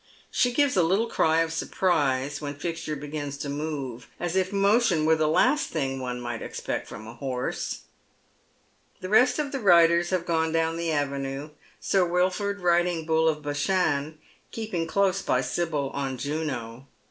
She gives a little cry of surprise when Fixture begins to move, as if motion were the last thing one might expect fi om a horse. The rest of the riders have gone down the avenue. Sir Wilford rilling Bull of Bashan, and keeping close beside Sibyl on Juno.